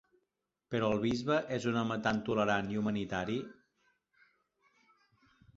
Però el bisbe és un home tan tolerant i humanitari.